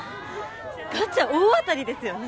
ガチャ大当たりですよね。